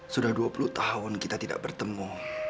sudah dua puluh tahun kita tidak bertemu